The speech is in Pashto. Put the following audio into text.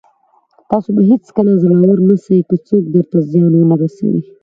تاسو به هېڅکله زړور نسٸ، که څوک درته زيان ونه رسوي.